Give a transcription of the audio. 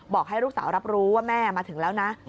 ให้ลูกสาวรับรู้ว่าแม่มาถึงแล้วนะ